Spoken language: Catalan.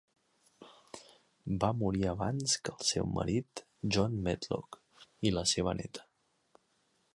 Va morir abans que el seu marit, John Medlock, i la seva neta.